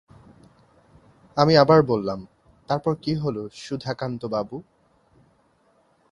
আমি আবার বললাম, তারপর কী হল সুধাকান্তবাবু?